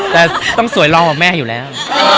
แต่ต้องสวยรอกว่าแม่อยู่แล้ว